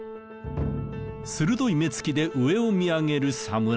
鋭い目つきで上を見上げる侍。